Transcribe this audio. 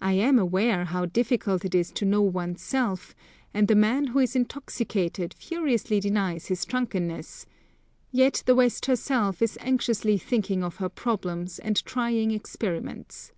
I am aware how difficult it is to know one's self; and the man, who is intoxicated, furiously denies his drunkenness; yet the West herself is anxiously thinking of her problems and trying experiments.